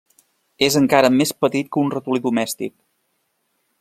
És encara més petit que un ratolí domèstic.